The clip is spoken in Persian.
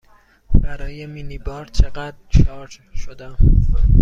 برای مینی بار چقدر شارژ شدم؟